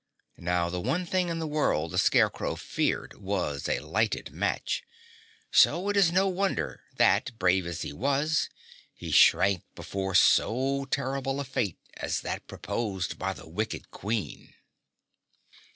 Now the one thing in the world the Scarecrow feared was a lighted match, so it is no wonder that, brave as he was, he shrank before so terrible a fate as that proposed by the wicked Queen.